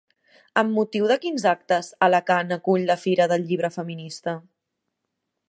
Amb motiu de quins actes Alacant acull la Fira del Llibre feminista?